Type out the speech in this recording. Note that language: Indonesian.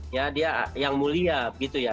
ya dia yang mulia begitu ya